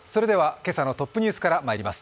今朝のトップニュースからまいります。